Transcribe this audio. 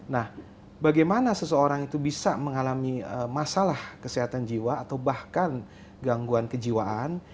nah bagaimana seseorang itu bisa mengalami masalah kesehatan jiwa atau bahkan gangguan kejiwaan